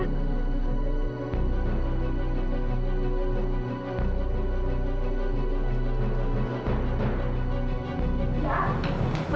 jah maya kenapa jah kamu kenapa